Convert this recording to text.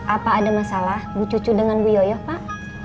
apa masalah bu cucu dengan bu yoyoh pak